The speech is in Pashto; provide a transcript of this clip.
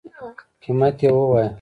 قیمت یی ووایه